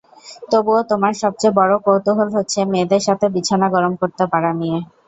তবুও তোমার সবচেয়ে বড়ো কৌতূহল হচ্ছে মেয়েদের সাথে বিছানা গরম করতে পারা নিয়ে?